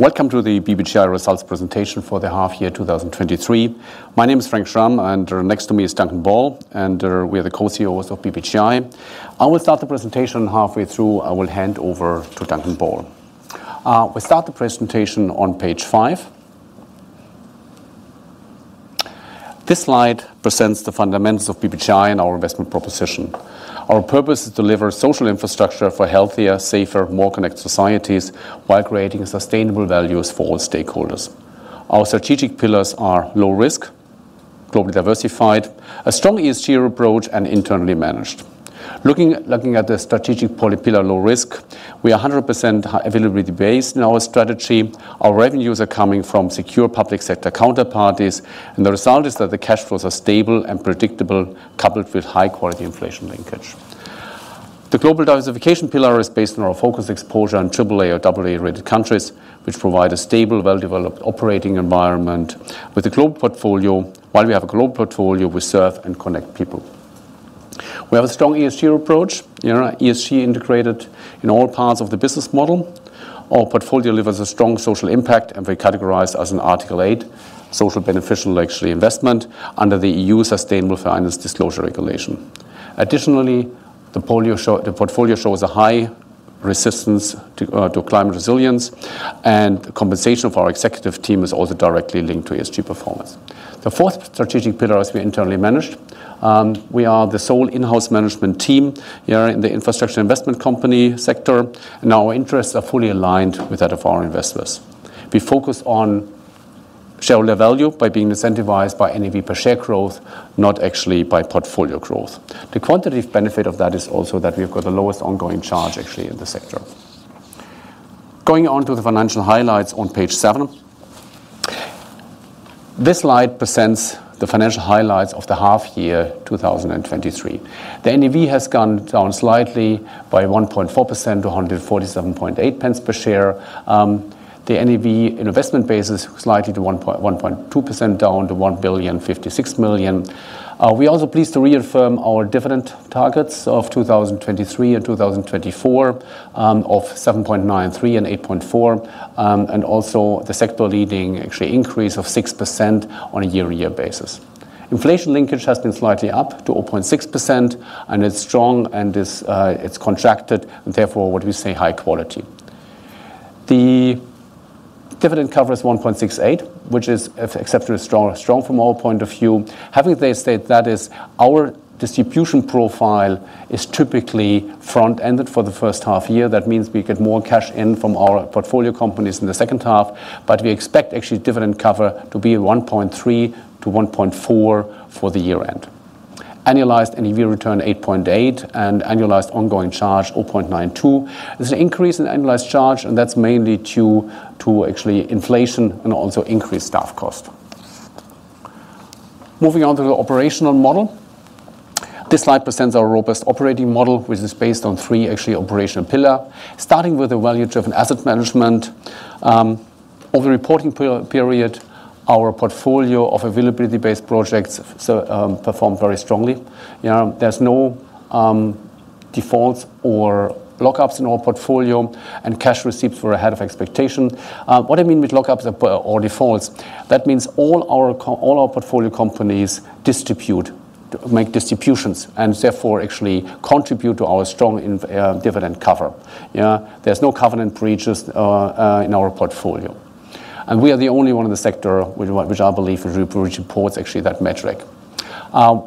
Welcome to the BBGI results presentation for the half year 2023. My name is Frank Schramm, and next to me is Duncan Ball, and we are the co-CEOs of BBGI. I will start the presentation. Halfway through, I will hand over to Duncan Ball. We start the presentation on page five. This slide presents the fundamentals of BBGI and our investment proposition. Our purpose is to deliver social infrastructure for healthier, safer, more connected societies, while creating sustainable values for all stakeholders. Our strategic pillars are low risk, globally diversified, a strong ESG approach, and internally managed. Looking at the strategic pillar, low risk, we are 100% availability based in our strategy. Our revenues are coming from secure public sector counterparties, and the result is that the cash flows are stable and predictable, coupled with high quality inflation linkage. The global diversification pillar is based on our focused exposure on Triple A or Double A-rated countries, which provide a stable, well-developed operating environment. With a global portfolio, while we have a global portfolio, we serve and connect people. We have a strong ESG approach, you know, ESG integrated in all parts of the business model. Our portfolio delivers a strong social impact, and we're categorized as an Article 8 social beneficial, actually, investment under the EU Sustainable Finance Disclosure Regulation. Additionally, the portfolio shows a high resistance to climate resilience, and compensation for our executive team is also directly linked to ESG performance. The fourth strategic pillar is we are internally managed. We are the sole in-house management team in the infrastructure investment company sector, and our interests are fully aligned with that of our investors. We focus on shareholder value by being incentivized by NAV per share growth, not actually by portfolio growth. The quantitative benefit of that is also that we've got the lowest ongoing charge, actually, in the sector. Going on to the financial highlights on page 7. This slide presents the financial highlights of the half year 2023. The NAV has gone down slightly by 1.4% to 147.8% per share. The NAV in investment basis slightly to 1.2%, down to 1,056 million. We are also pleased to reaffirm our dividend targets of 2023 and 2024, of 7.93 and 8.4, and also the sector-leading actually increase of 6% on a year-over-year basis. Inflation linkage has been slightly up to 0.6%, and it's strong, it's contracted, and therefore, what we say, high quality. The dividend cover is 1.68, which is exceptionally strong, strong from our point of view. Having said that, our distribution profile is typically front-ended for the first half year. That means we get more cash in from our portfolio companies in the second half, but we expect actually dividend cover to be 1.3-1.4 for the year-end. Annualized NAV return, 8.8, and annualized ongoing charge, 0.92. There's an increase in the annualized charge, and that's mainly due to actually inflation and also increased staff cost. Moving on to the operational model. This slide presents our robust operating model, which is based on three actually operational pillar, starting with the value-driven asset management. Over the reporting per-period, our portfolio of availability-based projects performed very strongly. You know, there's no defaults or lockups in our portfolio, and cash receipts were ahead of expectation. What I mean with lockups or defaults, that means all our portfolio companies distribute, make distributions, and therefore actually contribute to our strong dividend cover. Yeah, there's no covenant breaches in our portfolio, and we are the only one in the sector which I believe reports actually that metric.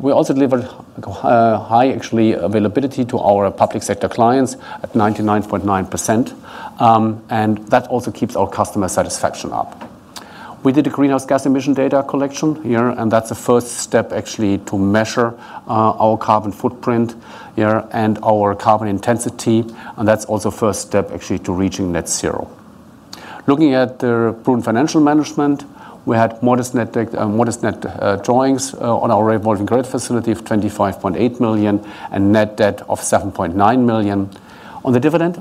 We also delivered high actually availability to our public sector clients at 99.9%. And that also keeps our customer satisfaction up. We did a greenhouse gas emission data collection, yeah, and that's the first step actually to measure, our carbon footprint, yeah, and our carbon intensity, and that's also first step actually to reaching net zero. Looking at the prudent financial management, we had modest net drawings on our revolving credit facility of 25.8 million and net debt of 7.9 million. On the dividend,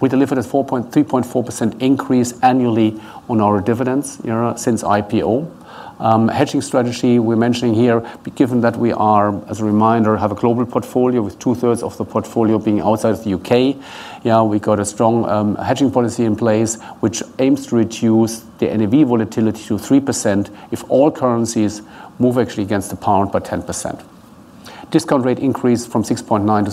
we delivered a 3.4% increase annually on our dividends, you know, since IPO. Hedging strategy, we're mentioning here, given that we are, as a reminder, have a global portfolio with two-thirds of the portfolio being outside of the U.K.. Yeah, we've got a strong hedging policy in place, which aims to reduce the NAV volatility to 3% if all currencies move actually against the pound by 10%. Discount rate increased from 6.9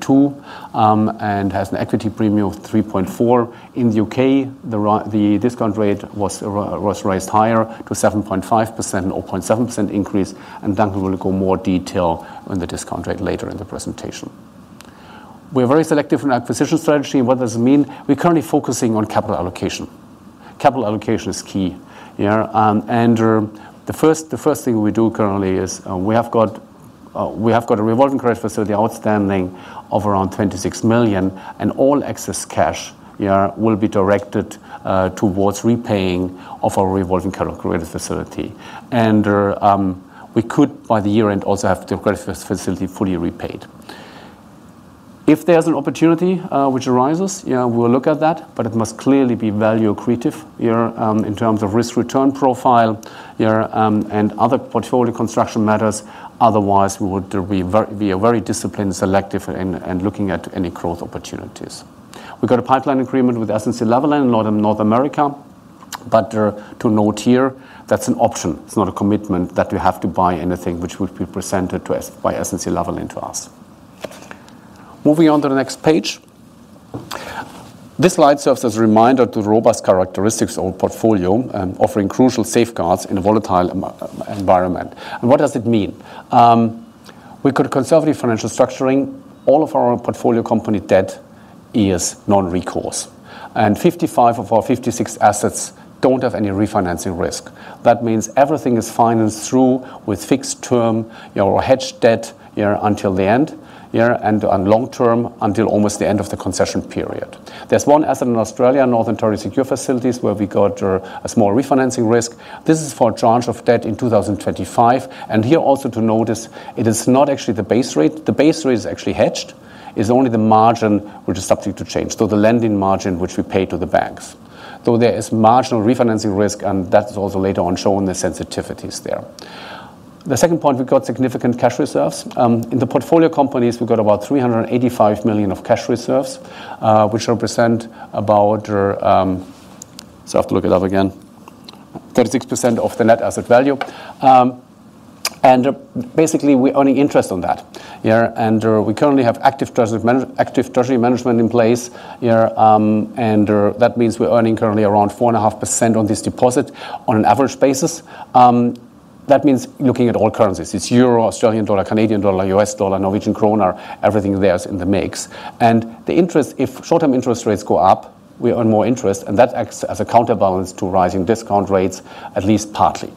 to 7.2, and has an equity premium of 3.4. In the U.K., the discount rate was raised higher to 7.5%, or 0.7% increase, and Duncan will go more detail on the discount rate later in the presentation. We're very selective in our acquisition strategy. What does it mean? We're currently focusing on capital allocation. Capital allocation is key. You know, the first thing we do currently is, we have got a revolving credit facility outstanding of around 26 million, and all excess cash, yeah, will be directed towards repaying of our revolving credit facility. And, we could, by the year-end, also have the credit facility fully repaid. If there's an opportunity, which arises, you know, we'll look at that, but it must clearly be value accretive, yeah, in terms of risk-return profile, yeah, and other portfolio construction matters. Otherwise, we would be very disciplined, selective in looking at any growth opportunities. We've got a pipeline agreement with SNC-Lavalin in North America. But to note here, that's an option. It's not a commitment that we have to buy anything which would be presented to us by SNC-Lavalin to us. Moving on to the next page. This slide serves as a reminder to the robust characteristics of our portfolio and offering crucial safeguards in a volatile environment. What does it mean? We've got a conservative financial structuring. All of our portfolio company debt is non-recourse, and 55 of our 56 assets don't have any refinancing risk. That means everything is financed through with fixed term or hedged debt, you know, until the end, yeah, and on long term, until almost the end of the concession period. There's one asset in Australia, Northern Territory Secure Facilities, where we got a small refinancing risk. This is for a tranche of debt in 2025, and here also to notice, it is not actually the base rate. The base rate is actually hedged. It's only the margin which is subject to change, so the lending margin which we pay to the banks, though there is marginal refinancing risk, and that is also later on shown in the sensitivities there. The second point, we've got significant cash reserves. In the portfolio companies, we've got about 385 million of cash reserves, which represent about. So I have to look it up again. 36% of the net asset value. And basically, we're earning interest on that. Yeah, and, we currently have active treasury management, active treasury management in place, you know, and, that means we're earning currently around 4.5% on this deposit on an average basis. That means looking at all currencies. It's euro, Australian dollar, Canadian dollar, US dollar, Norwegian kroner, everything there is in the mix. And the interest, if short-term interest rates go up, we earn more interest, and that acts as a counterbalance to rising discount rates, at least partly.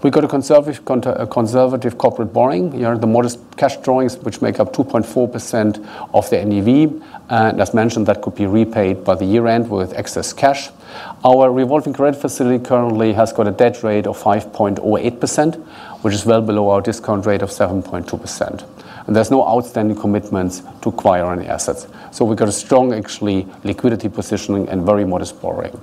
We've got a conservative conservative corporate borrowing. Here are the modest cash drawings, which make up 2.4% of the NAV, and as mentioned, that could be repaid by the year-end with excess cash. Our revolving credit facility currently has got a debt rate of 5.08%, which is well below our discount rate of 7.2%, and there's no outstanding commitments to acquire any assets. So we've got a strong, actually, liquidity positioning and very modest borrowing.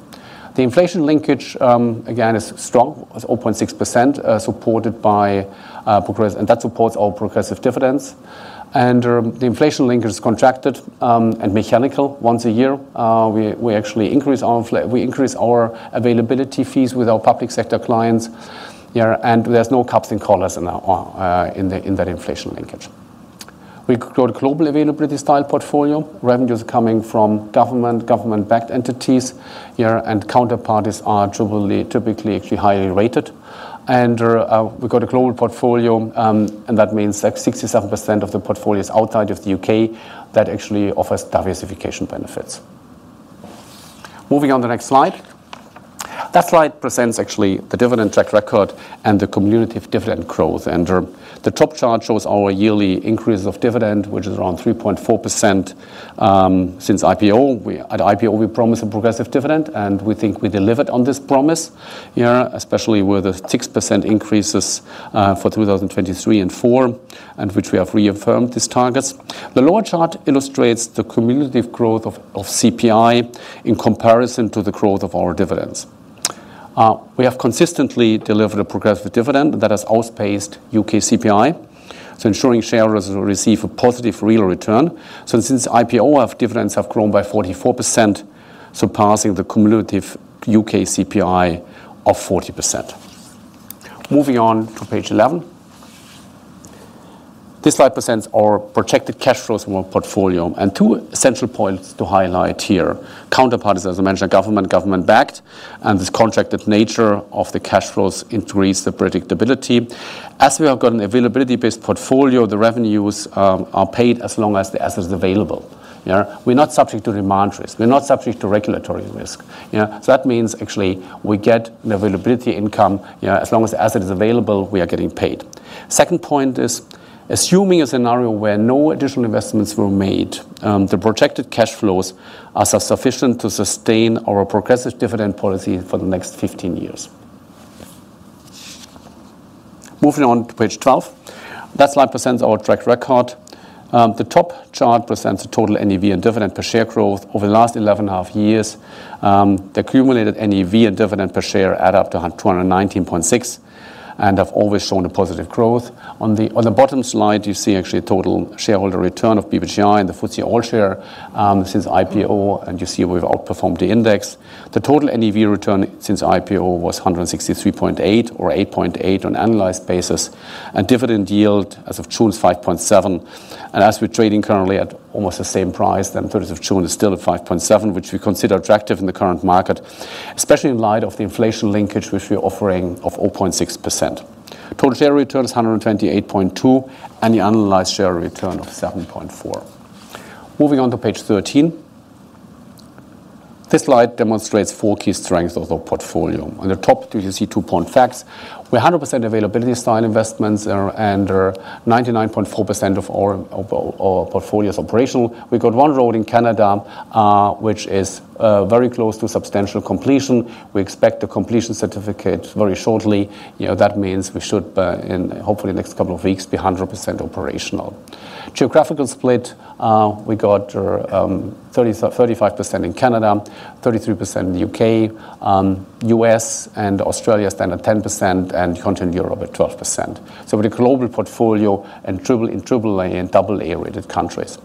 The inflation linkage, again, is strong. It's 0.6%, supported by progress, and that supports our progressive dividends. And, the inflation linkage is contracted and mechanical. Once a year, we actually increase our availability fees with our public sector clients, yeah, and there's no caps and collars in our, in that inflation linkage. We've got a globally available style portfolio. Revenues are coming from government, government-backed entities, yeah, and counterparties are typically highly rated. And, we've got a global portfolio, and that means that 67% of the portfolio is outside of the U.K.. That actually offers diversification benefits. Moving on to the next slide. That slide presents actually the dividend track record and the cumulative dividend growth, and the top chart shows our yearly increase of dividend, which is around 3.4%, since IPO. At IPO, we promised a progressive dividend, and we think we delivered on this promise, yeah, especially with the 6% increases for 2023 and 2024, and which we have reaffirmed these targets. The lower chart illustrates the cumulative growth of CPI in comparison to the growth of our dividends. We have consistently delivered a progressive dividend that has outpaced U.K. CPI, so ensuring shareholders will receive a positive real return. Since IPO, our dividends have grown by 44%, surpassing the cumulative U.K. CPI of 40%. Moving on to page 11. This slide presents our projected cash flows from our portfolio, and two essential points to highlight here. Counterparties, as I mentioned, are government, government-backed, and this contracted nature of the cash flows increase the predictability. As we have got an availability-based portfolio, the revenues, are paid as long as the asset is available. Yeah, we're not subject to demand risk. We're not subject to regulatory risk. You know, so that means actually we get an availability income, you know, as long as the asset is available, we are getting paid. Second point is, assuming a scenario where no additional investments were made, the projected cash flows are sufficient to sustain our progressive dividend policy for the next 15 years. Moving on to page 12. That slide presents our track record. The top chart presents the total NAV and dividend per share growth over the last 11.5 years. The accumulated NAV and dividend per share add up to 219.6 and have always shown a positive growth. On the bottom slide, you see actually a total shareholder return of BBGI and the FTSE All-Share since IPO, and you see we've outperformed the index. The total NAV return since IPO was 163.8, or 8.8 on annualized basis, and dividend yield as of June is 5.7%. As we're trading currently at almost the same price, then as of June, it's still at 5.7%, which we consider attractive in the current market, especially in light of the inflation linkage which we're offering of 0.6%. Total share return is 128.2, and the analyzed share return of 7.4. Moving on to page 13. This slide demonstrates four key strengths of our portfolio. On the top two, you see two point facts. We're 100% availability style investments and 99.4% of our portfolio is operational. We've got one road in Canada, which is very close to substantial completion. We expect a completion certificate very shortly. You know, that means we should in hopefully the next couple of weeks be 100% operational. Geographical split, we got 35% in Canada, 33% in the U.K., U.S. and Australia stand at 10%, and Continental Europe at 12%. So with a global portfolio and triple and triple-A and double-A-rated countries.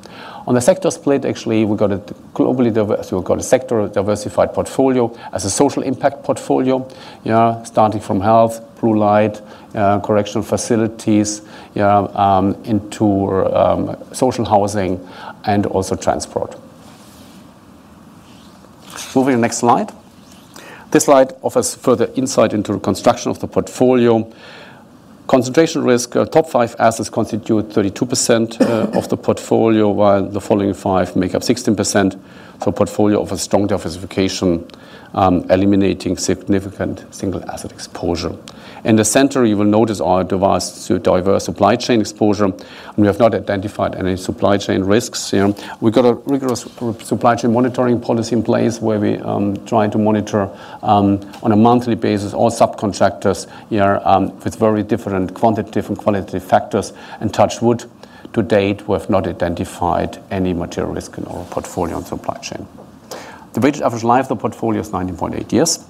On the sector split, actually, we've got a globally diverse. We've got a sector diversified portfolio as a social impact portfolio, you know, starting from health through light, correctional facilities, you know, into social housing and also transport. Moving to the next slide. This slide offers further insight into the construction of the portfolio. Concentration risk, top five assets constitute 32% of the portfolio, while the following five make up 16% for a portfolio of a strong diversification, eliminating significant single asset exposure. In the center, you will notice our diverse, diverse supply chain exposure, and we have not identified any supply chain risks here. We've got a rigorous supply chain monitoring policy in place, where we try to monitor on a monthly basis all subcontractors here with very different quantitative and qualitative factors, and touch wood, to date, we have not identified any material risk in our portfolio on supply chain. The weighted average life of the portfolio is 90.8 years.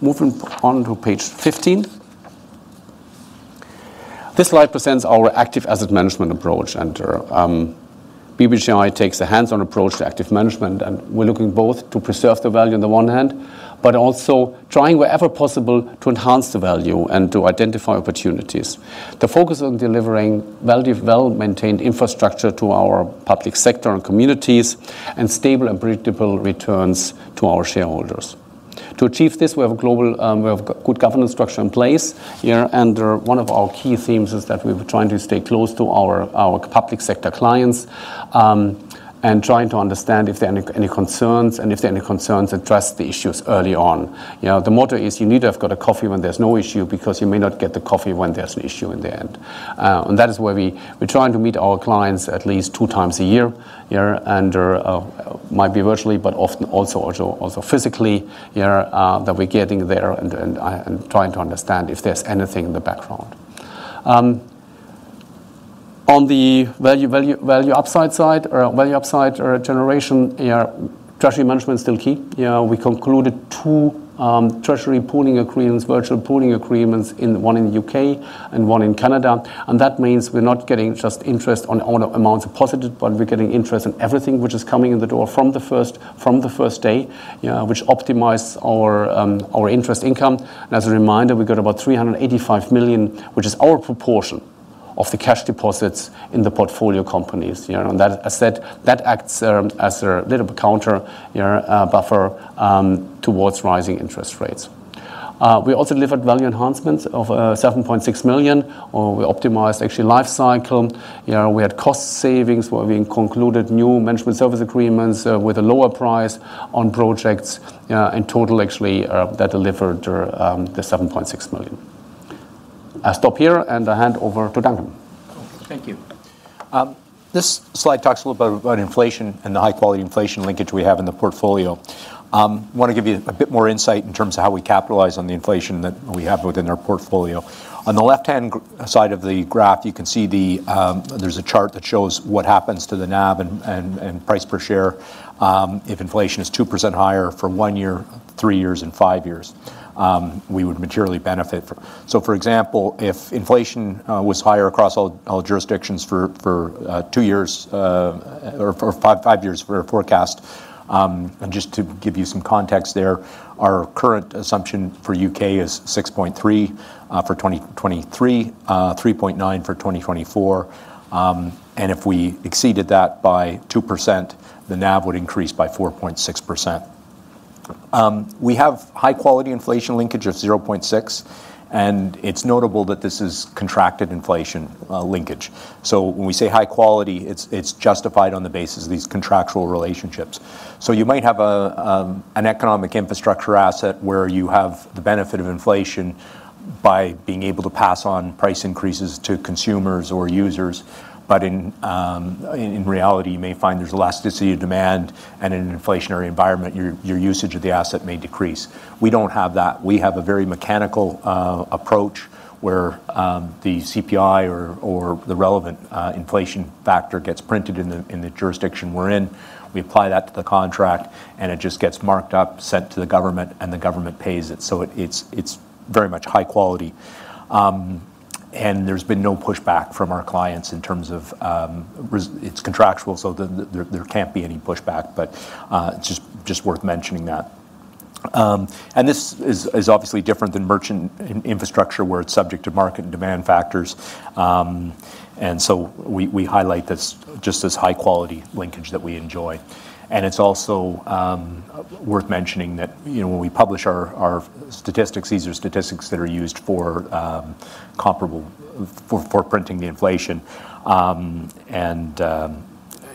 Moving on to page 15. This slide presents our active asset management approach, and BBGI takes a hands-on approach to active management, and we're looking both to preserve the value on the one hand, but also trying wherever possible to enhance the value and to identify opportunities. The focus on delivering well-developed, maintained infrastructure to our public sector and communities, and stable and predictable returns to our shareholders. To achieve this, we have a global. We have good governance structure in place here, and one of our key themes is that we're trying to stay close to our public sector clients, and trying to understand if there are any concerns, and if there are any concerns, address the issues early on. You know, the motto is: You need to have got a coffee when there's no issue, because you may not get the coffee when there's an issue in the end. And that is why we're trying to meet our clients at least two times a year, yeah, and might be virtually, but often also physically, you know, that we're getting there and trying to understand if there's anything in the background. On the value upside side or value upside or generation, you know, treasury management is still key. You know, we concluded two treasury pooling agreements, virtual pooling agreements in one in the U.K. and one in Canada, and that means we're not getting just interest on all amounts deposited, but we're getting interest on everything which is coming in the door from the first day, which optimizes our our interest income. And as a reminder, we got about 385 million, which is our proportion of the cash deposits in the portfolio companies, you know. And that asset, that acts as a bit of a counter, you know, buffer towards rising interest rates. We also delivered value enhancements of seven-point six million, or we optimized actually life cycle. You know, we had cost savings, where we concluded new management service agreements, with a lower price on projects, in total, actually, that delivered the 7.6 million. I'll stop here, and I hand over to Duncan. Thank you. This slide talks a little bit about inflation and the high-quality inflation linkage we have in the portfolio. I want to give you a bit more insight in terms of how we capitalize on the inflation that we have within our portfolio. On the left-hand side of the graph, you can see there's a chart that shows what happens to the NAV and price per share, if inflation is 2% higher for one year, three years, and five years, we would materially benefit from. So, for example, if inflation was higher across all jurisdictions for two years or for five years for a forecast, and just to give you some context there, our current assumption for U.K. is 6.3 for 2023, 3.9 for 2024, and if we exceeded that by 2%, the NAV would increase by 4.6%. We have high-quality inflation linkage of 0.6, and it's notable that this is contracted inflation linkage. So when we say high quality, it's justified on the basis of these contractual relationships. So you might have a, an economic infrastructure asset where you have the benefit of inflation by being able to pass on price increases to consumers or users, but in reality, you may find there's elasticity of demand, and in an inflationary environment, your usage of the asset may decrease. We don't have that. We have a very mechanical approach, where the CPI or the relevant inflation factor gets printed in the jurisdiction we're in. We apply that to the contract, and it just gets marked up, sent to the government, and the government pays it. So it's very much high quality. And there's been no pushback from our clients in terms of it's contractual, so there can't be any pushback, but it's just worth mentioning that. And this is obviously different than merchant infrastructure, where it's subject to market and demand factors, and so we highlight this, just this high-quality linkage that we enjoy. And it's also worth mentioning that, you know, when we publish our statistics, these are statistics that are used for comparable, for printing the inflation. And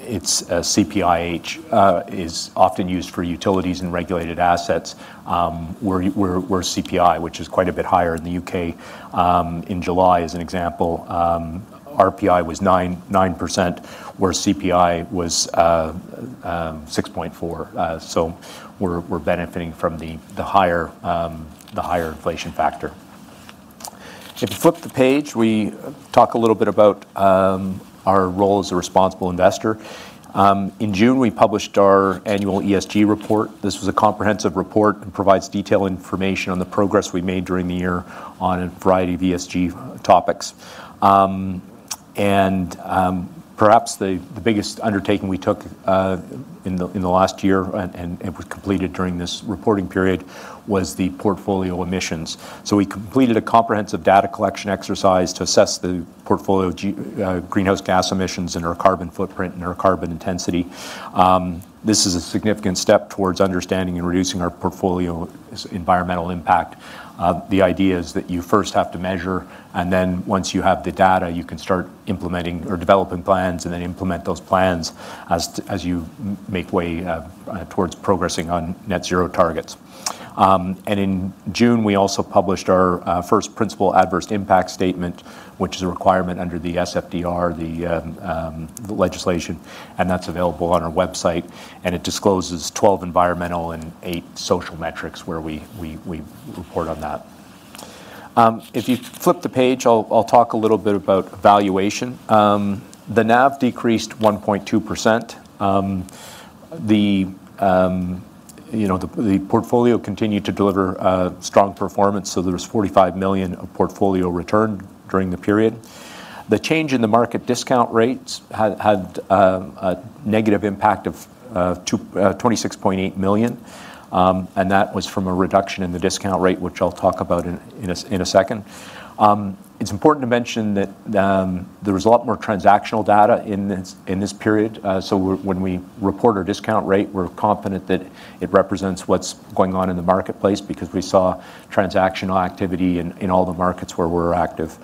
it's CPIH is often used for utilities and regulated assets, where RPI, which is quite a bit higher in the U.K., in July, as an example, RPI was 9%, where CPI was 6.4%. So we're benefiting from the higher inflation factor. If you flip the page, we talk a little bit about our role as a responsible investor. In June, we published our annual ESG report. This was a comprehensive report and provides detailed information on the progress we made during the year on a variety of ESG topics. Perhaps the biggest undertaking we took in the last year and was completed during this reporting period was the portfolio emissions. So we completed a comprehensive data collection exercise to assess the portfolio greenhouse gas emissions and our carbon footprint and our carbon intensity. This is a significant step towards understanding and reducing our portfolio's environmental impact. The idea is that you first have to measure, and then once you have the data, you can start implementing or developing plans, and then implement those plans as you make way towards progressing on net zero targets. And in June, we also published our principal adverse impact statement, which is a requirement under the SFDR, the legislation, and that's available on our website, and it discloses 12 environmental and 8 social metrics, where we report on that. If you flip the page, I'll talk a little bit about valuation. The NAV decreased 1.2%. You know, the portfolio continued to deliver strong performance, so there was 45 million of portfolio return during the period. The change in the market discount rates had a negative impact of 26.8 million, and that was from a reduction in the discount rate, which I'll talk about in a second. It's important to mention that there was a lot more transactional data in this period, so when we report our discount rate, we're confident that it represents what's going on in the marketplace because we saw transactional activity in all the markets where we're active,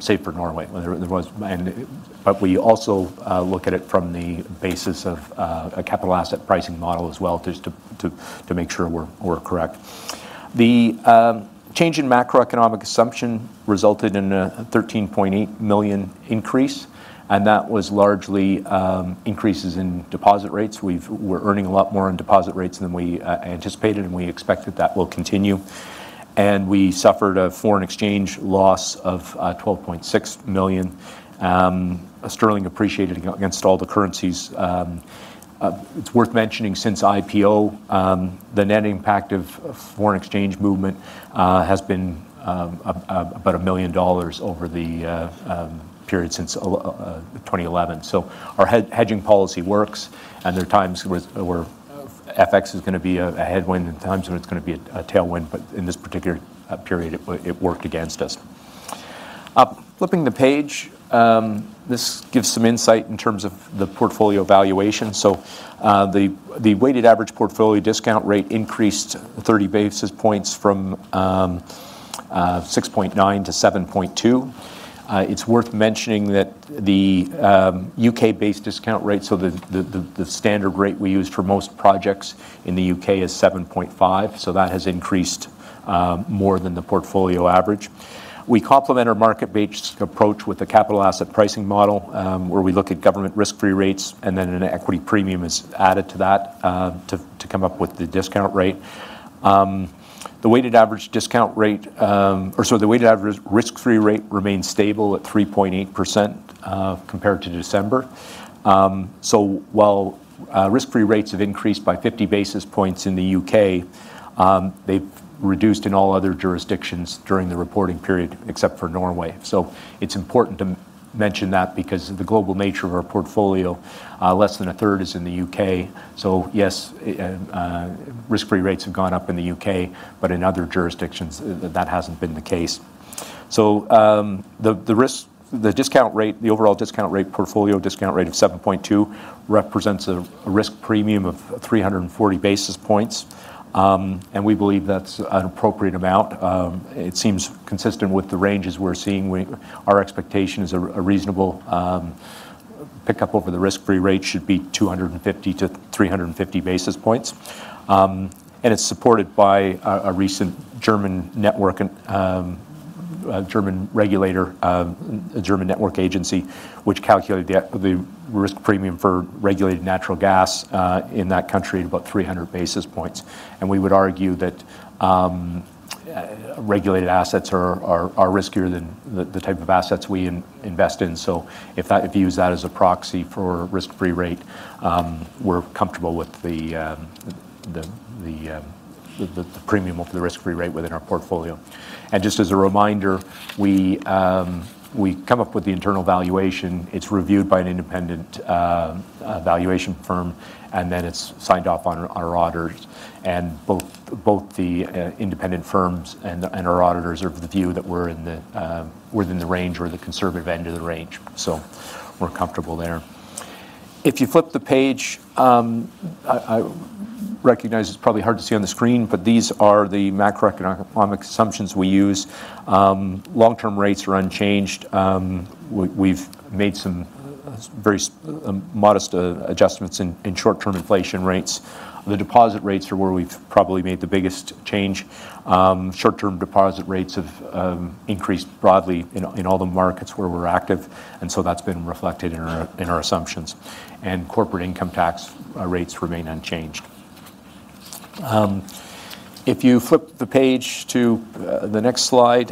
save for Norway, where there was, and. But we also look at it from the basis of a Capital Asset Pricing Model as well, just to make sure we're correct. The change in macroeconomic assumption resulted in a 13.8 million increase, and that was largely increases in deposit rates. We're earning a lot more on deposit rates than we anticipated, and we expect that that will continue. We suffered a foreign exchange loss of 12.6 million. Sterling appreciated against all the currencies. It's worth mentioning, since IPO, the net impact of foreign exchange movement has been about $1 million over the period since 2011. So our hedging policy works, and there are times where FX is gonna be a headwind and times when it's gonna be a tailwind, but in this particular period, it worked against us. Flipping the page, this gives some insight in terms of the portfolio valuation. So, the weighted average portfolio discount rate increased 30 basis points from 6.9 to 7.2. It's worth mentioning that the U.K.-based discount rate, so the standard rate we use for most projects in the U.K. is 7.5, so that has increased more than the portfolio average. We complement our market-based approach with a capital asset pricing model, where we look at government risk-free rates, and then an equity premium is added to that, to come up with the discount rate. The weighted average discount rate or sorry, the weighted average risk-free rate remains stable at 3.8%, compared to December. So while risk-free rates have increased by 50 basis points in the U.K., they've reduced in all other jurisdictions during the reporting period, except for Norway. So it's important to mention that because the global nature of our portfolio, less than a third is in the U.K.. So yes, risk-free rates have gone up in the U.K., but in other jurisdictions, that hasn't been the case. So, the discount rate, the overall discount rate, portfolio discount rate of 7.2, represents a risk premium of 340 basis points, and we believe that's an appropriate amount. It seems consistent with the ranges we're seeing. Our expectation is a reasonable pick up over the risk-free rate should be 250-350 basis points. And it's supported by a recent German network and a German regulator, a German network agency, which calculated the risk premium for regulated natural gas in that country at about 300 basis points. And we would argue that regulated assets are riskier than the type of assets we invest in. So if you use that as a proxy for risk-free rate, we're comfortable with the premium of the risk-free rate within our portfolio. And just as a reminder, we come up with the internal valuation. It's reviewed by an independent valuation firm, and then it's signed off on our auditors. And both the independent firms and our auditors are of the view that we're within the range or the conservative end of the range. So we're comfortable there. If you flip the page, I recognize it's probably hard to see on the screen, but these are the macroeconomic assumptions we use. Long-term rates are unchanged. We've made some very modest adjustments in short-term inflation rates. The deposit rates are where we've probably made the biggest change. Short-term deposit rates have increased broadly in all the markets where we're active, and so that's been reflected in our assumptions, and corporate income tax rates remain unchanged. If you flip the page to the next slide,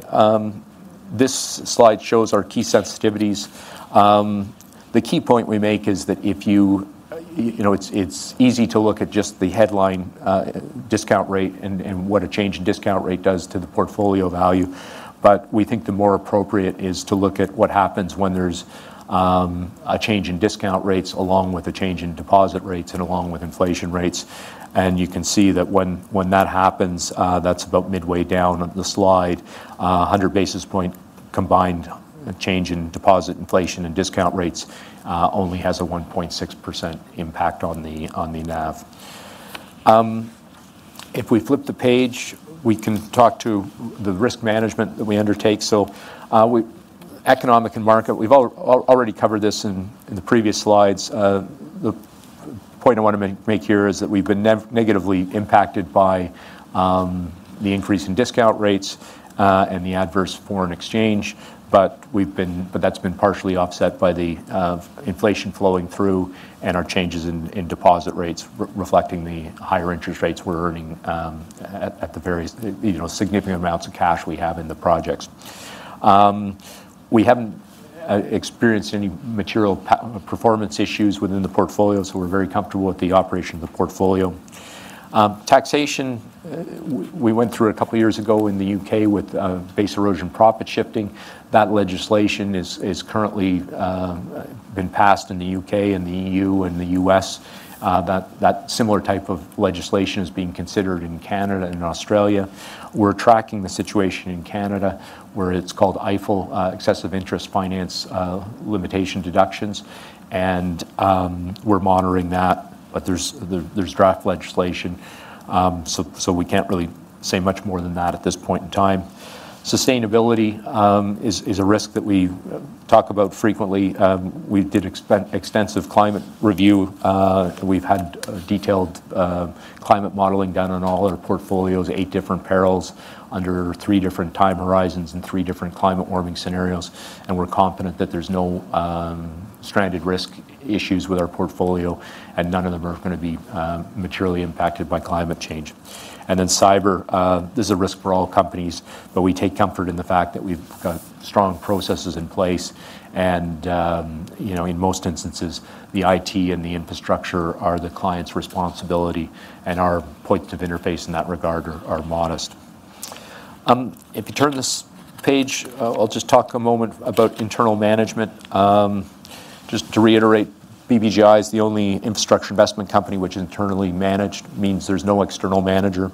this slide shows our key sensitivities. The key point we make is that if you, you know, it's easy to look at just the headline discount rate and what a change in discount rate does to the portfolio value. But we think the more appropriate is to look at what happens when there's a change in discount rates, along with a change in deposit rates and along with inflation rates. And you can see that when that happens, that's about midway down the slide, a 100 basis point combined change in deposit inflation and discount rates only has a 1.6% impact on the NAV. If we flip the page, we can talk to the risk management that we undertake. Economic and market, we've already covered this in the previous slides. The point I wanna make here is that we've been negatively impacted by the increase in discount rates and the adverse foreign exchange. But that's been partially offset by the inflation flowing through and our changes in deposit rates reflecting the higher interest rates we're earning at the various, you know, significant amounts of cash we have in the projects. We haven't experienced any material performance issues within the portfolio, so we're very comfortable with the operation of the portfolio. Taxation, we went through a couple of years ago in the U.K. with Base Erosion and Profit Shifting. That legislation is currently been passed in the U.K., and the EU, and the U.S. That similar type of legislation is being considered in Canada and in Australia. We're tracking the situation in Canada, where it's called EIFEL, Excessive Interest and Financing Expenses Limitation, and we're monitoring that. But there's draft legislation, so we can't really say much more than that at this point in time. Sustainability is a risk that we talk about frequently. We did extensive climate review. We've had detailed climate modeling done on all our portfolios, eight different perils under three different time horizons and three different climate warming scenarios. And we're confident that there's no stranded risk issues with our portfolio, and none of them are gonna be materially impacted by climate change. And then cyber, this is a risk for all companies, but we take comfort in the fact that we've got strong processes in place, and, you know, in most instances, the IT and the infrastructure are the client's responsibility, and our points of interface in that regard are modest. If you turn this page, I'll just talk a moment about internal management. Just to reiterate, BBGI is the only infrastructure investment company which is internally managed, means there's no external manager.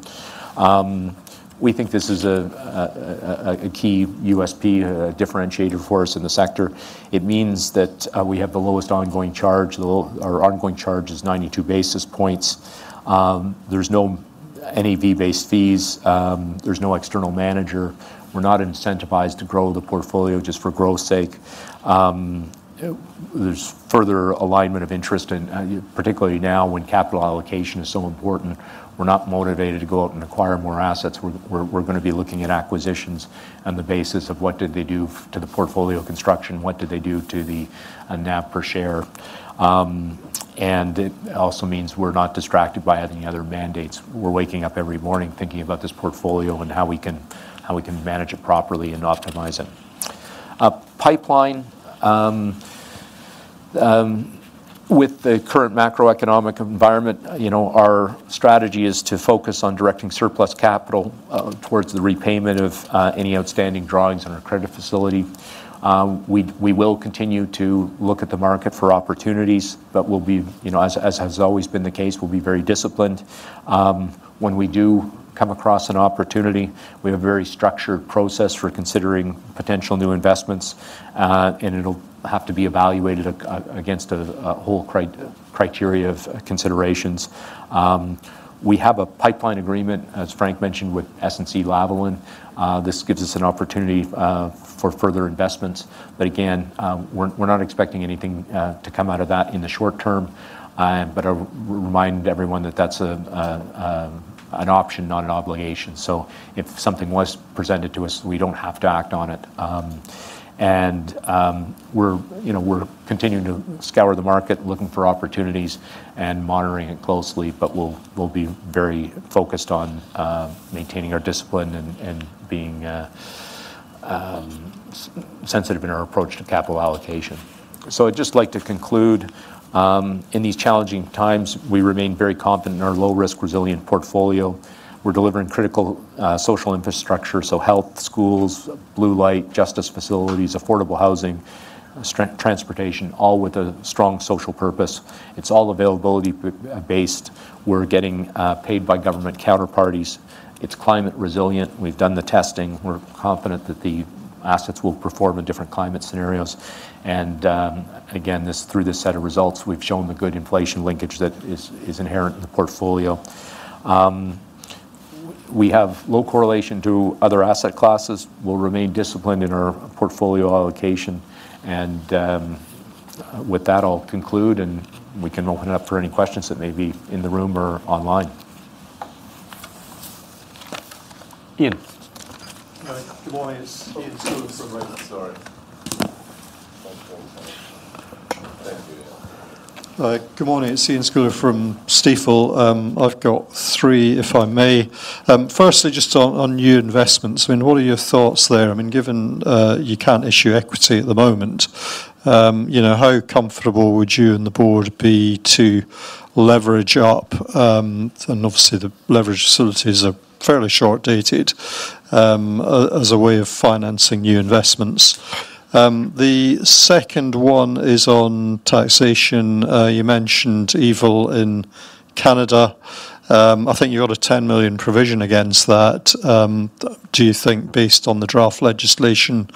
We think this is a key USP, a differentiator for us in the sector. It means that, we have the lowest ongoing charge. Our ongoing charge is 92 basis points. There's no NAV-based fees. There's no external manager. We're not incentivized to grow the portfolio just for growth's sake. There's further alignment of interest, and particularly now, when capital allocation is so important, we're not motivated to go out and acquire more assets. We're gonna be looking at acquisitions on the basis of what did they do to the portfolio construction? What did they do to the NAV per share? And it also means we're not distracted by any other mandates. We're waking up every morning thinking about this portfolio and how we can manage it properly and optimize it. Pipeline with the current macroeconomic environment, you know, our strategy is to focus on directing surplus capital towards the repayment of any outstanding drawings on our credit facility. We will continue to look at the market for opportunities, but we'll be, you know, as has always been the case, we'll be very disciplined. When we do come across an opportunity, we have a very structured process for considering potential new investments, and it'll have to be evaluated against a whole criteria of considerations. We have a pipeline agreement, as Frank mentioned, with SNC-Lavalin. This gives us an opportunity for further investments, but again, we're not expecting anything to come out of that in the short term. But I'll remind everyone that that's an option, not an obligation. So if something was presented to us, we don't have to act on it. We're, you know, we're continuing to scour the market, looking for opportunities and monitoring it closely, but we'll, we'll be very focused on maintaining our discipline and, and being sensitive in our approach to capital allocation. So I'd just like to conclude, in these challenging times, we remain very confident in our low-risk, resilient portfolio. We're delivering critical social infrastructure, so health, schools, blue light, justice facilities, affordable housing, transportation, all with a strong social purpose. It's all availability based. We're getting paid by government counterparties. It's climate resilient. We've done the testing. We're confident that the assets will perform in different climate scenarios. And, again, through this set of results, we've shown the good inflation linkage that is inherent in the portfolio. We have low correlation to other asset classes. We'll remain disciplined in our portfolio allocation, and, with that, I'll conclude, and we can open it up for any questions that may be in the room or online. Iain? Good morning. It's Iain Scouller from Stifel. I've got three, if I may. Firstly, just on new investments, I mean, what are your thoughts there? I mean, given you can't issue equity at the moment, you know, how comfortable would you and the board be to leverage up? And obviously, the leverage facilities are fairly short-dated, as a way of financing new investments. The second one is on taxation. You mentioned EIFL in Canada. I think you got a 10 million provision against that. Do you think, based on the draft legislation,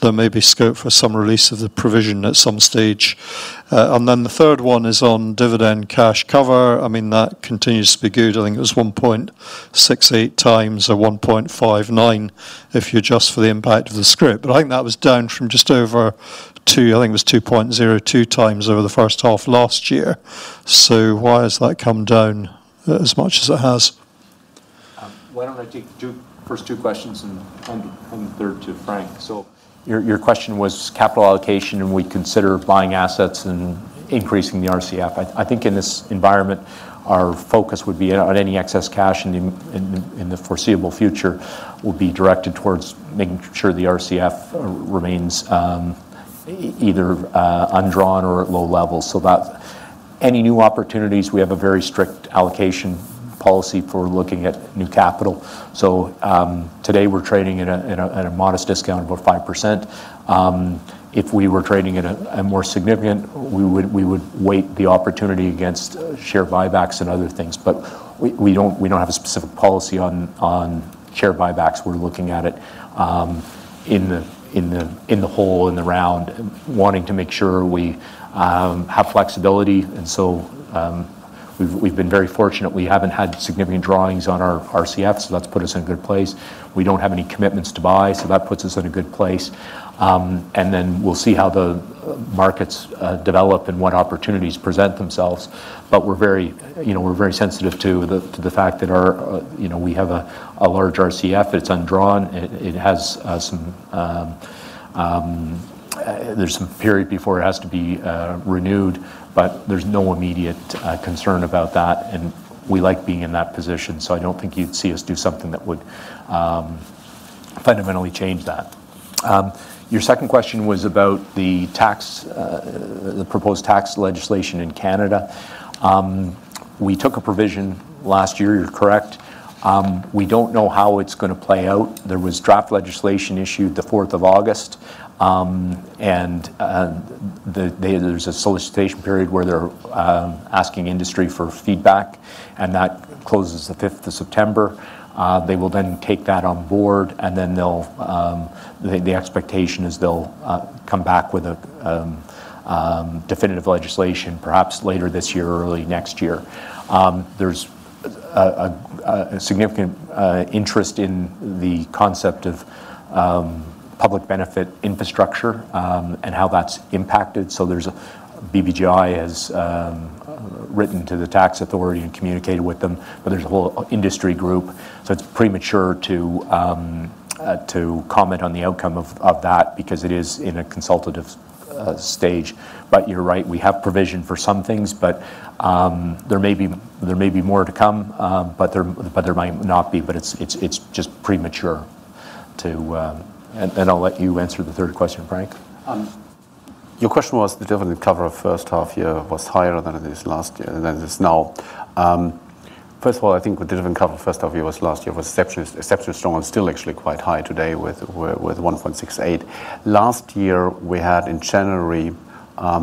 there may be scope for some release of the provision at some stage? And then the third one is on dividend cash cover. I mean, that continues to be good. I think it was 1.68x or 1.59x, if you adjust for the impact of the script. But I think that was down from just over two, I think it was 2.02x over the first half last year. So why has that come down as much as it has? Why don't I take the first two questions, and hand the third to Frank? So your question was capital allocation, and we consider buying assets and increasing the RCF. I think in this environment, our focus would be on any excess cash in the foreseeable future will be directed towards making sure the RCF remains either undrawn or at low levels. So that any new opportunities, we have a very strict allocation policy for looking at new capital. So, today, we're trading at a modest discount, about 5%. If we were trading at a more significant, we would weight the opportunity against share buybacks and other things. But we don't have a specific policy on share buybacks. We're looking at it in the whole, in the round, wanting to make sure we have flexibility. And so, we've been very fortunate. We haven't had significant drawings on our RCFs, so that's put us in a good place. We don't have any commitments to buy, so that puts us in a good place. And then we'll see how the markets develop and what opportunities present themselves. But we're very, you know, we're very sensitive to the fact that our, you know, we have a large RCF, it's undrawn. It has some period before it has to be renewed, but there's no immediate concern about that, and we like being in that position. So I don't think you'd see us do something that would fundamentally change that. Your second question was about the tax, the proposed tax legislation in Canada. We took a provision last year, you're correct. We don't know how it's gonna play out. There was draft legislation issued the fourth of August, and there's a solicitation period where they're asking industry for feedback, and that closes the fifth of September. They will then take that on board, and then the expectation is they'll come back with a definitive legislation, perhaps later this year or early next year. There's a significant interest in the concept of public benefit infrastructure, and how that's impacted. So BBGI has written to the tax authority and communicated with them, but there's a whole industry group, so it's premature to comment on the outcome of that because it is in a consultative stage. But you're right, we have provisioned for some things, but there may be more to come, but there might not be, but it's just premature to. And I'll let you answer the third question, Frank. Your question was the dividend cover of first half year was higher than it is last year, than it is now. First of all, I think the dividend cover first half year was last year was exceptionally strong and still actually quite high today with 1.68. Last year, we had in January a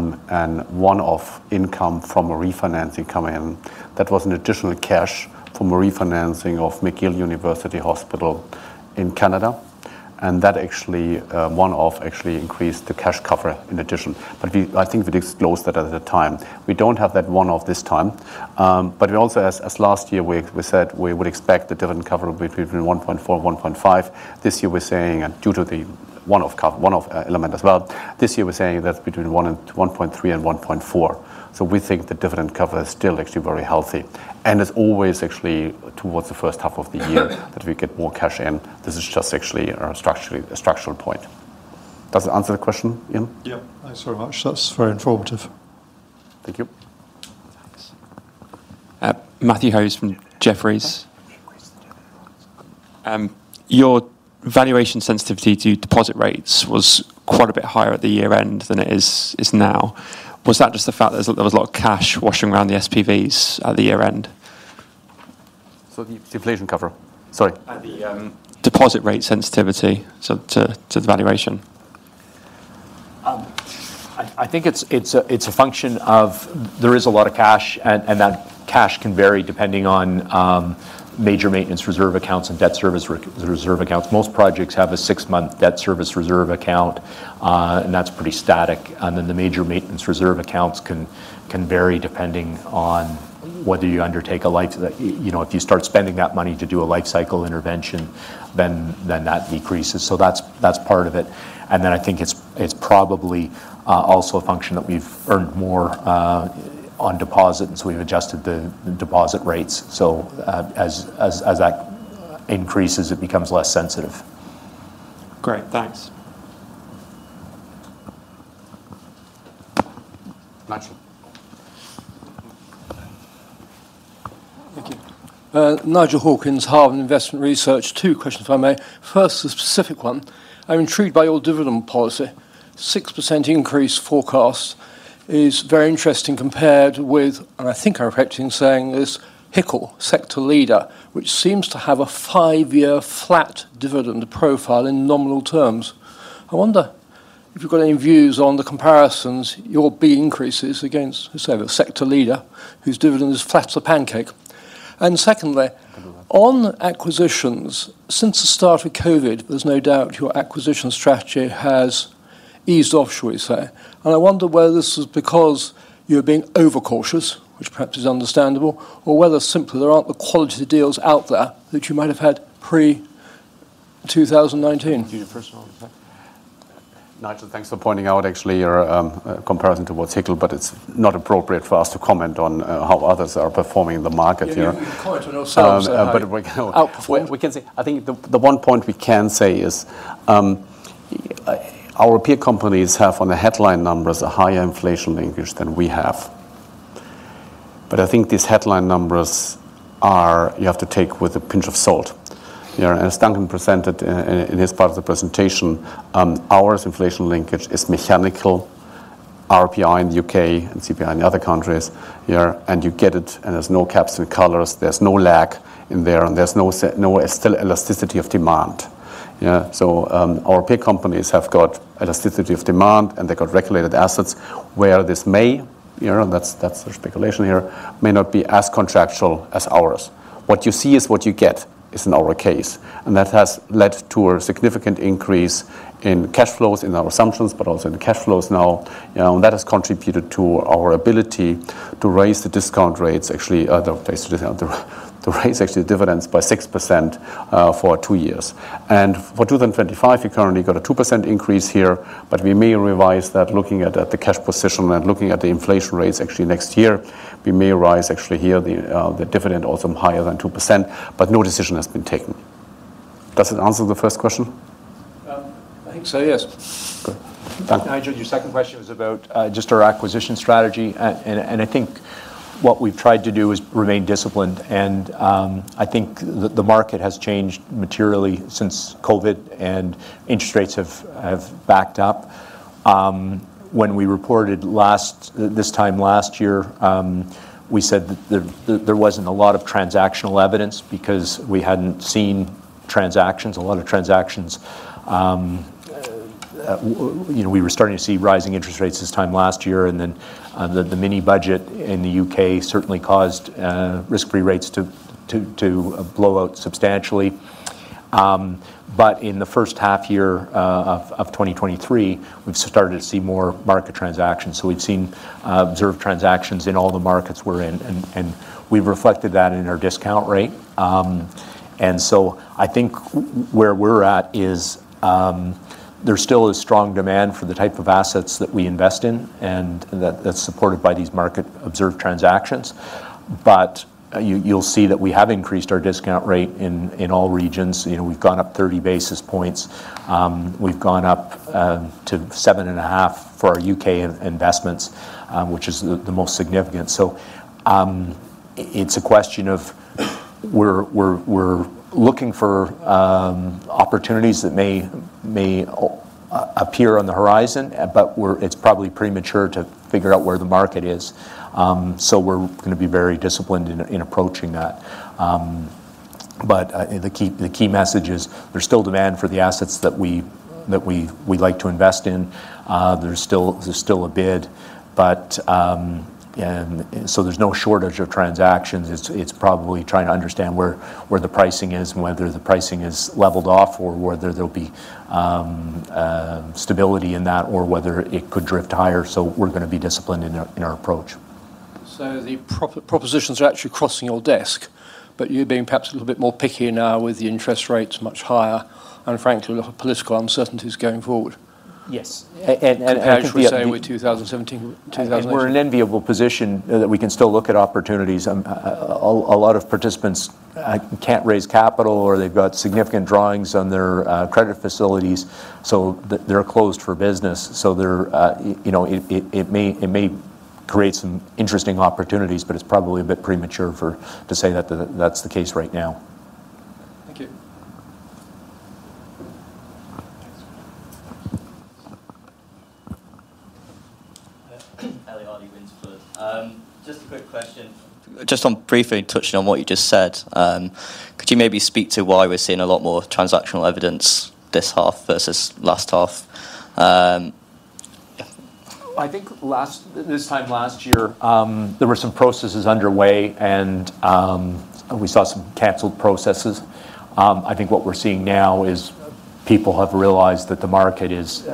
one-off income from a refinancing come in. That was an additional cash from a refinancing of McGill University Health Centre in Canada, and that actually one-off actually increased the cash cover in addition. But I think that disclosed that at the time. We don't have that one-off this time. But we also, as last year, we said we would expect the dividend cover between 1.4-1.5. This year, we're saying, and due to the one-off one-off element as well, this year, we're saying that's between one and 1.3 and 1.4. So we think the dividend cover is still actually very healthy. And as always, actually, towards the first half of the year that we get more cash in, this is just actually a structural point. Does that answer the question, Iain? Yeah. Thanks very much. That's very informative. Thank you. Matthew Hose from Jefferies. Your valuation sensitivity to deposit rates was quite a bit higher at the year-end than it is now. Was that just the fact that there was a lot of cash washing around the SPVs at the year-end? So the inflation cover? Sorry. The deposit rate sensitivity to the valuation. I think it's a function of there is a lot of cash, and that cash can vary depending on major maintenance reserve accounts and debt service reserve accounts. Most projects have a six-month debt service reserve account, and that's pretty static. And then the major maintenance reserve accounts can vary depending on whether you undertake a life to the, you know, if you start spending that money to do a life cycle intervention, then that decreases. So that's part of it. And then I think it's probably also a function that we've earned more on deposit, and so we've adjusted the deposit rates. So as that increases, it becomes less sensitive. Great. Thanks. Matthew? Nigel Hawkins, Hardman Investment Research. Two questions, if I may. First, a specific one. I'm intrigued by your dividend policy. 6% increase forecast is very interesting compared with, and I think I'm correct in saying this, HICL, sector leader, which seems to have a five-year flat dividend profile in nominal terms. I wonder if you've got any views on the comparisons, your DPS increases against, let's say, the sector leader, whose dividend is flat as a pancake. And secondly, on acquisitions, since the start of COVID, there's no doubt your acquisition strategy has eased off, shall we say, and I wonder whether this is because you're being overcautious, which perhaps is understandable, or whether simply there aren't the quality deals out there that you might have had pre-2019. Do you first want to take? Nigel, thanks for pointing out actually your comparison to what's HICL, but it's not appropriate for us to comment on how others are performing in the market here. Yeah, you can comment on ourselves. But we can say. I think the one point we can say is, our peer companies have, on the headline numbers, a higher inflation linkage than we have. But I think these headline numbers are. You have to take with a pinch of salt. You know, as Duncan presented in his part of the presentation, our inflation linkage is mechanical, RPI in the U.K. and CPI in the other countries. You know, and you get it, and there's no caps and colors, there's no lag in there, and there's no elasticity of demand. You know, so our peer companies have got elasticity of demand, and they've got regulated assets where this may, you know, and that's a speculation here, may not be as contractual as ours. What you see is what you get, is in our case, and that has led to a significant increase in cash flows in our assumptions, but also in the cash flows now. You know, and that has contributed to our ability to raise the discount rates, actually, to raise actually the dividends by 6%, for two years. And for 2025, we currently got a 2% increase here, but we may revise that looking at, at the cash position and looking at the inflation rates actually next year. We may rise actually here, the, the dividend also higher than 2%, but no decision has been taken. Does it answer the first question? I think so, yes. Good. Nigel, your second question was about just our acquisition strategy, and I think what we've tried to do is remain disciplined, and I think the market has changed materially since COVID and interest rates have backed up. When we reported last this time last year, we said that there wasn't a lot of transactional evidence because we hadn't seen transactions, a lot of transactions. You know, we were starting to see rising interest rates this time last year, and then the mini budget in the U.K. certainly caused risk-free rates to blow out substantially. But in the first half year of 2023, we've started to see more market transactions. So we've seen observed transactions in all the markets we're in, and we've reflected that in our discount rate. And so I think where we're at is, there still is strong demand for the type of assets that we invest in, and that's supported by these market observed transactions. But you'll see that we have increased our discount rate in all regions. You know, we've gone up 30 basis points. We've gone up to 7.5 for our U.K. investments, which is the most significant. So it's a question of we're looking for opportunities that may appear on the horizon, but we're, it's probably premature to figure out where the market is. So we're gonna be very disciplined in approaching that. But the key message is there's still demand for the assets that we'd like to invest in. There's still a bid, but, and so there's no shortage of transactions. It's probably trying to understand where the pricing is and whether the pricing has leveled off, or whether there'll be stability in that, or whether it could drift higher. So we're gonna be disciplined in our approach. So the propositions are actually crossing your desk, but you're being perhaps a little bit more picky now with the interest rates much higher and, frankly, the political uncertainties going forward? Yes. And I think we- As we say with 2017, 2018. We're in an enviable position that we can still look at opportunities. A lot of participants can't raise capital, or they've got significant drawings on their credit facilities, so they're closed for business. So they're, you know, it may create some interesting opportunities, but it's probably a bit premature to say that that's the case right now. Thank you. Ellie Hardy, Winterflood. Just a quick question. Just on briefly touching on what you just said, could you maybe speak to why we're seeing a lot more transactional evidence this half versus last half? I think last, this time last year, there were some processes underway, and, we saw some canceled processes. I think what we're seeing now is people have realized that the market is...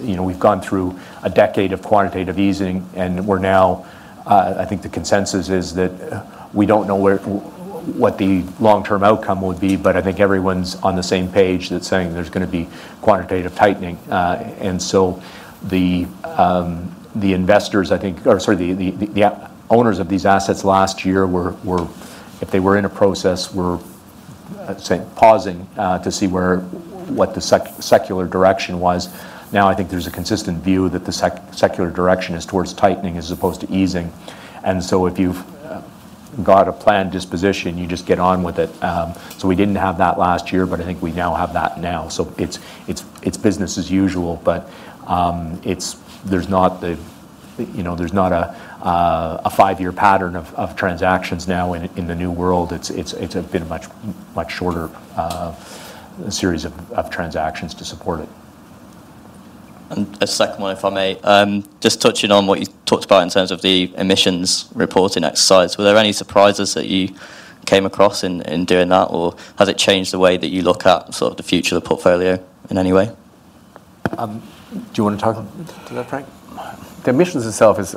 You know, we've gone through a decade of quantitative easing, and we're now, I think the consensus is that, we don't know where, what the long-term outcome would be, but I think everyone's on the same page that's saying there's gonna be quantitative tightening. And so the, the investors, I think—or sorry, the, the, the owners of these assets last year were, were, if they were in a process, pausing, to see where, what the secular direction was. Now, I think there's a consistent view that the secular direction is towards tightening as opposed to easing. And so if you've got a planned disposition, you just get on with it. So we didn't have that last year, but I think we now have that now. So it's business as usual, but there's not the, you know, there's not a five-year pattern of transactions now in the new world. It's been a much, much shorter series of transactions to support it. A second one, if I may. Just touching on what you talked about in terms of the emissions reporting exercise, were there any surprises that you came across in doing that? Or has it changed the way that you look at sort of the future of the portfolio in any way? Do you want to talk to that, Frank? The emissions itself is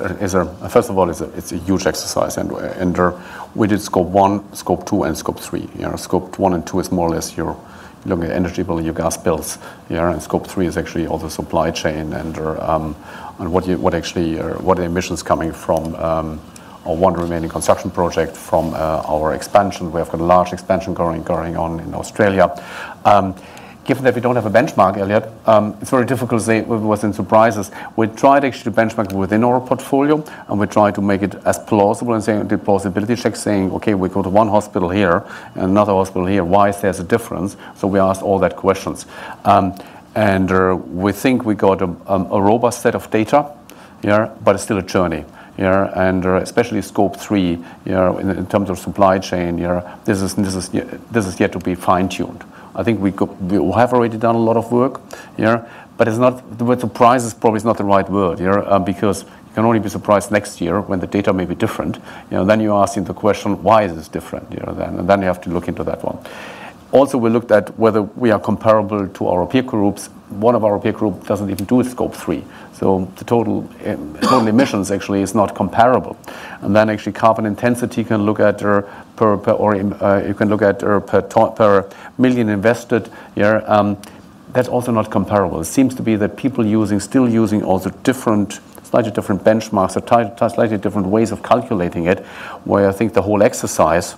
first of all, it's a huge exercise, and we did Scope 1, Scope 2, and Scope 3. You know, Scope 1 and 2 is more or less your looking at energy bill, your gas bills. Yeah, and Scope 3 is actually all the supply chain and what actually what are the emissions coming from our one remaining construction project from our expansion. We have got a large expansion going on in Australia. Given that we don't have a benchmark, Ellie, it's very difficult to say what was in surprises. We tried actually to benchmark within our portfolio, and we tried to make it as plausible and saying, did possibility check, saying, "Okay, we go to one hospital here and another hospital here. Why there's a difference?" So we asked all those questions. And we think we got a robust set of data, yeah, but it's still a journey. Yeah, and especially Scope 3, you know, in terms of supply chain, you know, this is yet to be fine-tuned. I think we could. We have already done a lot of work, you know, but it's not. Well, the price probably is not the right word, you know, because you can only be surprised next year when the data may be different. You know, then you're asking the question, why is this different, you know? Then you have to look into that one. Also, we looked at whether we are comparable to our peer groups. One of our peer group doesn't even do a Scope 3, so the total emissions actually is not comparable. And then actually, carbon intensity, you can look at or per million invested. That's also not comparable. It seems to be that people using still using all the different slightly different benchmarks or slightly different ways of calculating it, where I think the whole exercise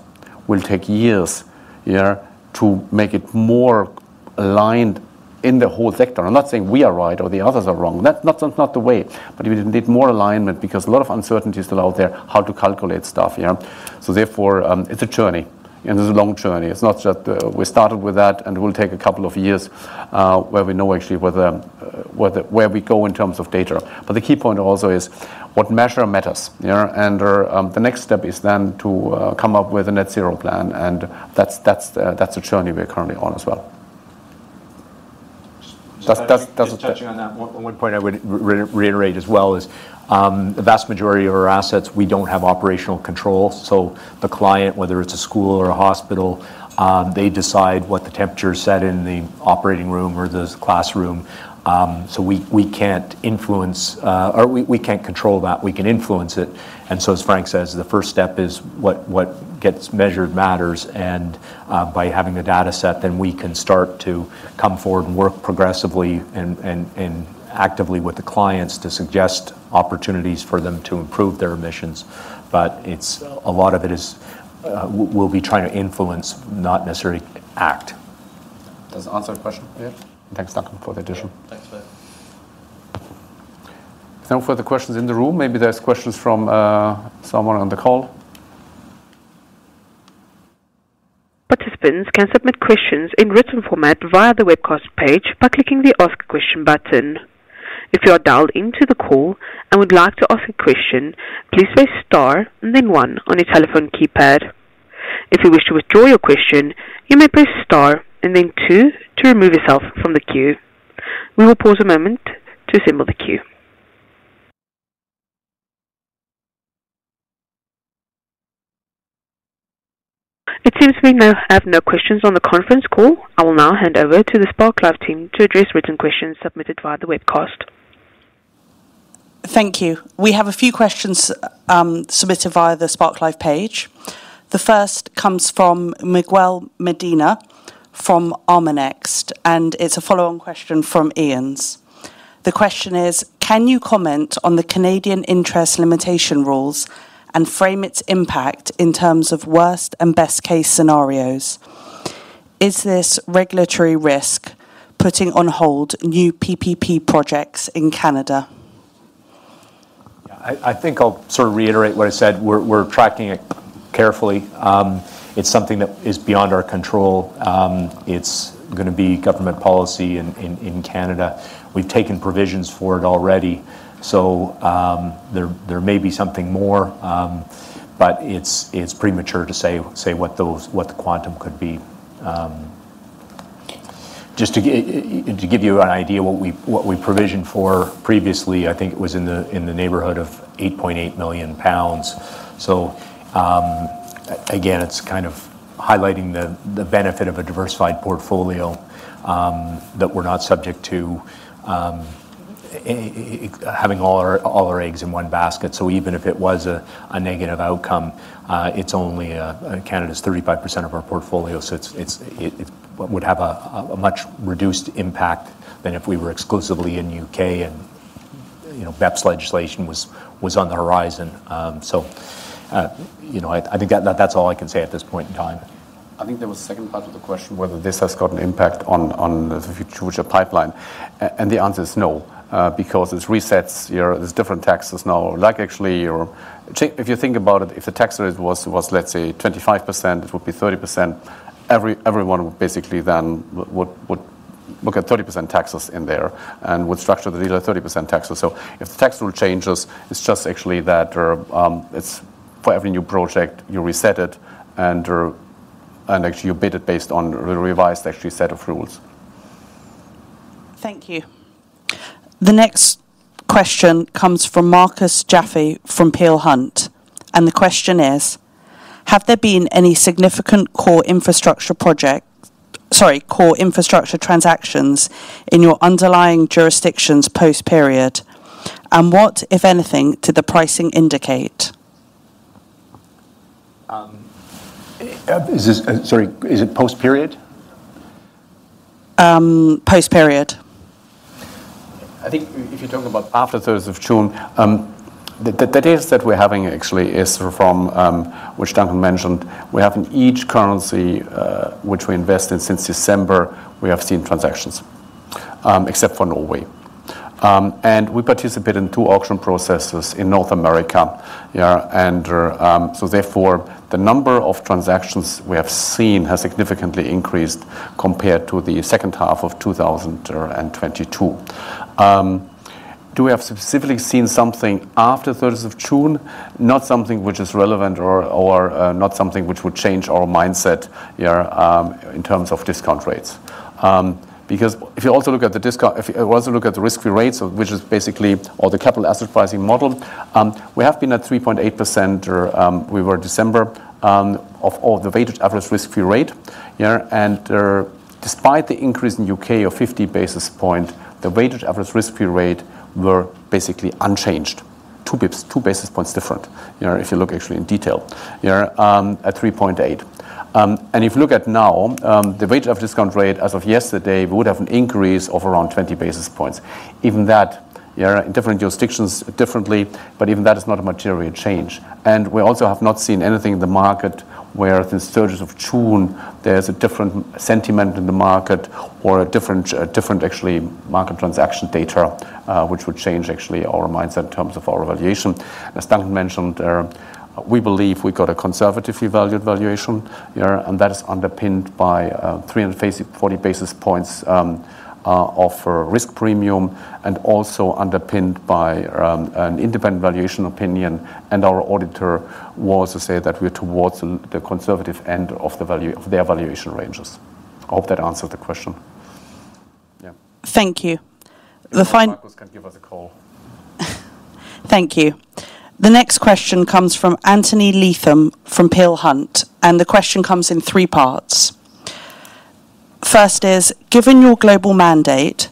will take years to make it more aligned in the whole sector. I'm not saying we are right or the others are wrong. That's not the way, but we need more alignment because a lot of uncertainty is still out there, how to calculate stuff, you know? So therefore, it's a journey, and it's a long journey. It's not just, we started with that, and it will take a couple of years, where we know actually where we go in terms of data. But the key point also is what measure matters, you know, and, the next step is then to, come up with a net zero plan, and that's a journey we're currently on as well. That's- Just touching on that one, one point I would reiterate as well is, the vast majority of our assets, we don't have operational control. So the client, whether it's a school or a hospital, they decide what the temperature is set in the operating room or the classroom. So we can't influence, or we can't control that. We can influence it. And so as Frank says, the first step is what gets measured matters. And by having a data set, then we can start to come forward and work progressively and actively with the clients to suggest opportunities for them to improve their emissions. But it's- Well- A lot of it is, we'll be trying to influence, not necessarily act. Does it answer the question? Yeah. Thanks, Duncan, for the addition. Thanks, mate. No further questions in the room. Maybe there's questions from someone on the call. Participants can submit questions in written format via the webcast page by clicking the Ask a Question button. If you are dialed into the call and would like to ask a question, please press Star and then One on your telephone keypad. If you wish to withdraw your question, you may press Star and then Two to remove yourself from the queue. We will pause a moment to assemble the queue. It seems we now have no questions on the conference call. I will now hand over to the Spark Live team to address written questions submitted via the webcast. Thank you. We have a few questions submitted via the Spark Live page. The first comes from Miguel Medina from Armanext, and it's a follow-on question from Iain's. The question is: Can you comment on the Canadian interest limitation rules and frame its impact in terms of worst and best-case scenarios? Is this regulatory risk putting on hold new PPP projects in Canada? Yeah, I think I'll sort of reiterate what I said. We're tracking it carefully. It's something that is beyond our control. It's gonna be government policy in Canada. We've taken provisions for it already, so there may be something more, but it's premature to say what those, what the quantum could be. Just to give you an idea what we provisioned for previously, I think it was in the neighborhood of 8.8 million pounds. So again, it's kind of highlighting the benefit of a diversified portfolio, that we're not subject to having all our eggs in one basket. So even if it was a negative outcome, it's only Canada's 35% of our portfolio, so it would have a much reduced impact than if we were exclusively in U.K. and you know, BEPS legislation was on the horizon. So, you know, I think that that's all I can say at this point in time. I think there was a second part of the question, whether this has got an impact on the future pipeline. And the answer is no, because it resets your-- there's different taxes now. Like, actually, your-- if you think about it, if the tax rate was, let's say, 25%, it would be 30%, everyone would basically then would look at 30% taxes in there and would structure the deal at 30% taxes. So if the tax rule changes, it's just actually that, or, it's for every new project, you reset it, and, or, and actually you bid it based on the revised actually set of rules. Thank you. The next question comes from Marcus Jaffe from Peel Hunt, and the question is: Have there been any significant core infrastructure project. Sorry, core infrastructure transactions in your underlying jurisdictions post-period? And what, if anything, did the pricing indicate? Is this, sorry, is it post-period? Um, post-period. I think if you're talking about after thirds of June, the days that we're having actually is from, which Duncan mentioned, we have in each currency, which we invest in since December, we have seen transactions, except for Norway. And we participate in two auction processes in North America. Yeah, and, so therefore, the number of transactions we have seen has significantly increased compared to the second half of 2022. Do we have specifically seen something after thirds of June? Not something which is relevant or, or, not something which would change our mindset, yeah, in terms of discount rates. Because if you also look at the discount, if you also look at the risk-free rates, which is basically, or the Capital Asset Pricing Model, we have been at 3.8%, or, we were December of the weighted average risk-free rate. Yeah, and, despite the increase in U.K. of 50 basis points, the weighted average risk-free rate were basically unchanged. Two basis points, two basis points different, you know, if you look actually in detail, you're at 3.8. And if you look at now, the weighted discount rate as of yesterday, we would have an increase of around 20 basis points. Even that, yeah, in different jurisdictions differently, but even that is not a material change. And we also have not seen anything in the market where since the third of June, there's a different sentiment in the market or a different, different actually market transaction data, which would change actually our mindset in terms of our valuation. As Duncan mentioned, we believe we got a conservative revalued valuation, yeah, and that is underpinned by, 340 basis points, of risk premium, and also underpinned by, an independent valuation opinion. And our auditor was to say that we're towards the, the conservative end of the value- of their valuation ranges. I hope that answered the question. Yeah. Thank you. The final- Marcus can give us a call. Thank you. The next question comes from Anthony Leatham from Peel Hunt, and the question comes in three parts. First is: Given your global mandate,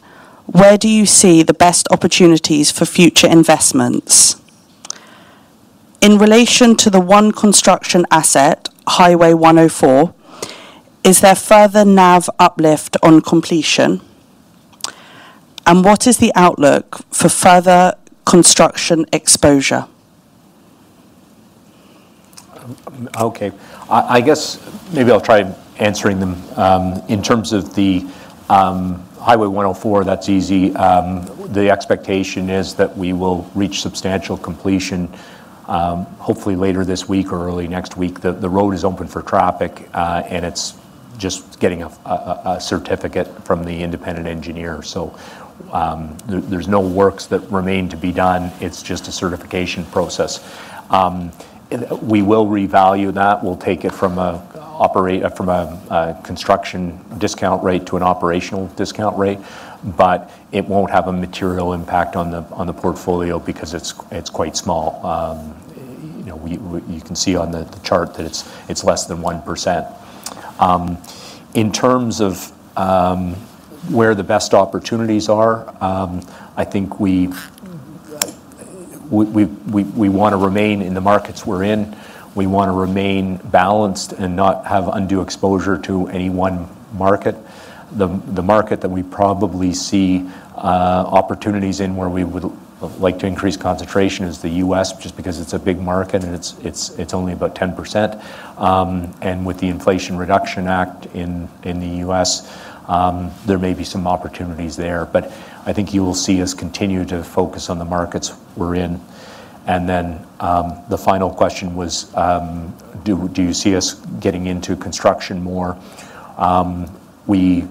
where do you see the best opportunities for future investments? In relation to the one construction asset, Highway 104, is there further NAV uplift on completion? And what is the outlook for further construction exposure? Okay. I guess maybe I'll try answering them. In terms of the Highway 104, that's easy. The expectation is that we will reach substantial completion, hopefully later this week or early next week. The road is open for traffic, and it's just getting a certificate from the independent engineer. So, there's no works that remain to be done. It's just a certification process. And we will revalue that. We'll take it from a construction discount rate to an operational discount rate, but it won't have a material impact on the portfolio because it's quite small. You know, we—you can see on the chart that it's less than 1%. In terms of where the best opportunities are, I think we've- Mm-hmm, right We wanna remain in the markets we're in. We wanna remain balanced and not have undue exposure to any one market. The market that we probably see opportunities in, where we would like to increase concentration is the U.S., just because it's a big market and it's only about 10%. And with the Inflation Reduction Act in the U.S., there may be some opportunities there. But I think you will see us continue to focus on the markets we're in. And then the final question was: Do you see us getting into construction more? We've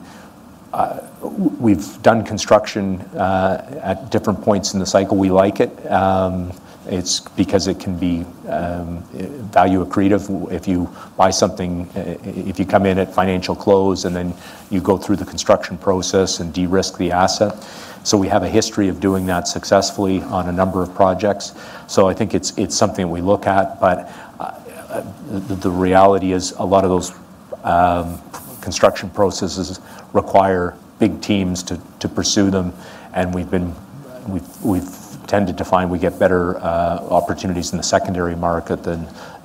done construction at different points in the cycle. We like it, it's because it can be value accretive if you buy something, if you come in at financial close, and then you go through the construction process and de-risk the asset. So we have a history of doing that successfully on a number of projects. So I think it's something we look at. But the reality is, a lot of those construction processes require big teams to pursue them, and we've been- we've tended to find we get better opportunities in the secondary market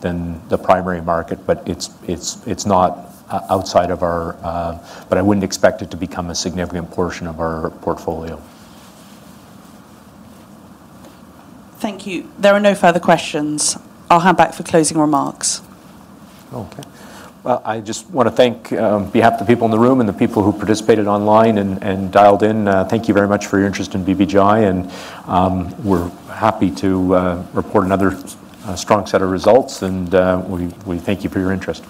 than the primary market. But it's not outside of our. But I wouldn't expect it to become a significant portion of our portfolio. Thank you. There are no further questions. I'll hand back for closing remarks. Okay. Well, I just wanna thank on behalf of the people in the room and the people who participated online and dialed in. Thank you very much for your interest in BBGI, and we're happy to report another strong set of results, and we thank you for your interest.